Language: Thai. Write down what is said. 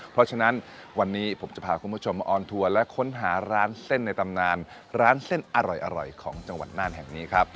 เพราะฉะนั้นวันนี้ผมจะพาคุณผู้ชมมาออนทัวร์และค้นหาร้านเส้นในตำนานร้านเส้นอร่อยของจังหวัดน่านแห่งนี้ครับ